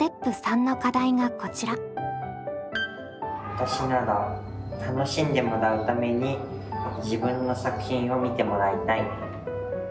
わたしなら楽しんでもらうために自分の作品を見てもらいたい。